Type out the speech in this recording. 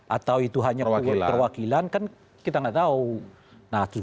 atau itu hanya perwakilan kan kita nggak tahu